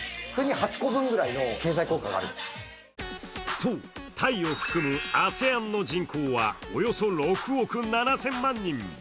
そう、タイを含むＡＳＥＡＮの人口はおよそ６億７０００万人。